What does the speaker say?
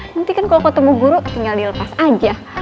nanti kan kalo kau temen guru tinggal dilepas aja